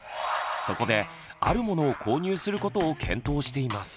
そこであるものを購入することを検討しています。